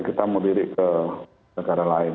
kita melirik ke negara lain